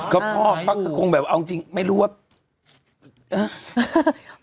ก็พ่อแป๊บตรงนึงคงอย่างแบบจริงไม่รู้ว่า